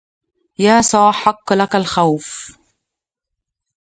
يا صاح حق لك التخوف